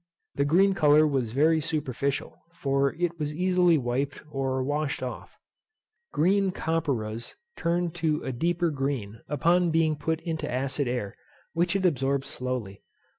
The green colour was very superficial; for it was easily wiped or washed off. Green copperas turned to a deeper green upon being put into acid air, which it absorbed slowly.